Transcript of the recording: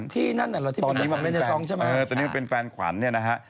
ที่นั่นเหรอตอนนี้มันเป็นแฟนขวัญเนี้ยนะฮะ